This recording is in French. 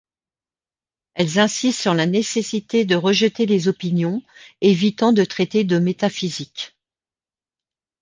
Elles insistent sur la nécessité de rejeter les opinions, évitant de traiter de métaphysique.